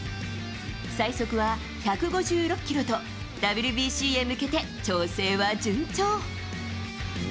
最速は１５６キロと、ＷＢＣへ向けて調整は順調。